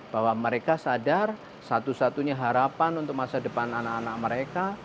bahwa mereka sadar satu satunya harapan untuk masa depan anak anak mereka